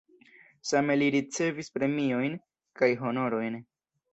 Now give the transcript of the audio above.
Same li ricevis premiojn kaj honorojn.